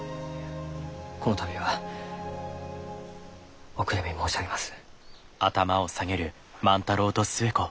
この度はお悔やみ申し上げます。